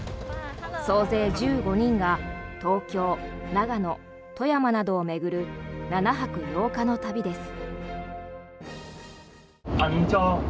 総勢１５人が東京、長野、富山などを巡る７泊８日の旅です。